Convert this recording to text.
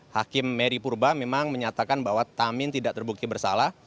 hakim mary purba memang menyatakan bahwa tamin tidak terbukti bersalah